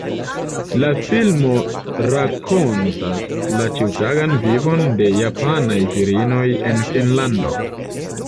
La filmo rakontas la ĉiutagan vivon de japanaj virinoj en Finnlando.